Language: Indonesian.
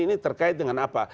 ini terkait dengan apa